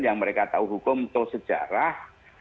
yang mereka tahu hukum tahu sejarah